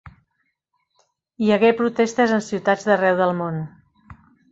Hi hagué protestes en ciutats d'arreu del món.